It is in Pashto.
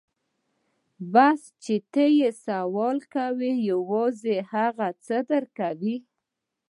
بس چې ته يې سوال کوې يوازې هغه څه در کوي.